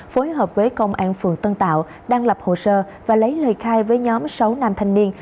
phối hợp với công an phường tân tạo đang lập hồ sơ và lấy lời khai với nhóm sáu nam thanh niên